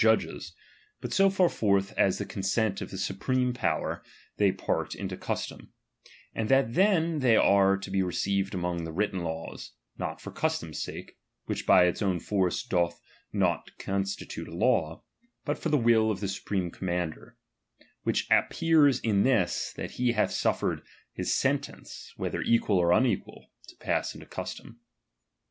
Judges, but so far forth as by the con "^ sent of the supreme power they part into custom ; and that then they are to be received among the written laws, not for the custom's sake, (which by its own force doth not constitute a law), but for the will of the supreme commander ; which ap pears in this, that be hath suffered his sentence, whether equal or unequal, to pass into custom.